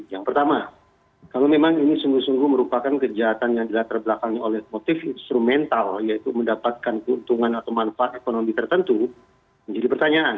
yang pertama kalau memang ini sungguh sungguh merupakan kejahatan yang telah terbelakang oleh motif instrumental yaitu mendapatkan keuntungan atau manfaat ekonomi tertentu menjadi pertanyaan